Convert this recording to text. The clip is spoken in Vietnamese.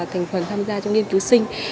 thành phần tham gia trong nghiên cứu sinh